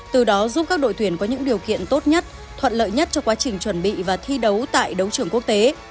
từ đó giúp các đội tuyển có những điều kiện tốt nhất thuận lợi nhất cho quá trình chuẩn bị và thi đấu tại đấu trường quốc tế